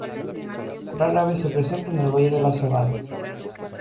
Rara vez se presenta en el valle de la sabana.